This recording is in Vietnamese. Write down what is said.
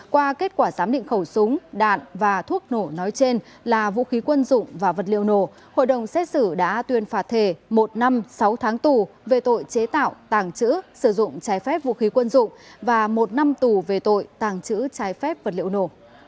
qua kết quả giám định khẩu súng đạn và thuốc nổ nói trên là vũ khí quân dụng và vật liệu nổ hội đồng xét xử đã tuyên phạt thể một năm sáu tháng tù về tội chế tạo tàng trữ sử dụng trái phép vũ khí quân dụng và một năm tù về tội tàng trữ trái phép vật liệu nổ